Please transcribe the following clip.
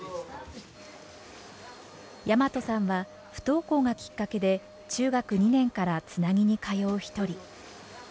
大和さんは不登校がきっかけで中学２年からつなぎに通う一人。